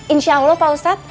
insya allah pak ustadz